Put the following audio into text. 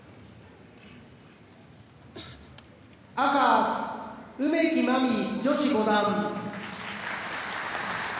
赤、梅木真美女子五段。